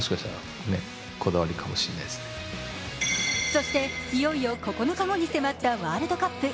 そしていよいよ９日後に迫ったワールドカップ。